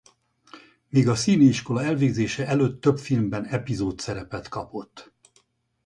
Még a színiiskola elvégzése előtt több filmben epizódszerepet kapott.